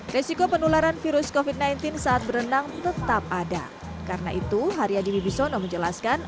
resiko penularan virus kofit sembilan belas saat berenang tetap ada karena itu haryadi bibisono menjelaskan